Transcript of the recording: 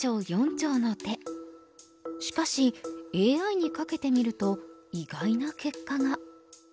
しかしＡＩにかけてみると意外な結果が。